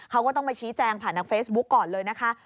เขาก็ต้องมาชี้แจงผ่านทางเฟซบุ๊กก่อนเลยนะคะ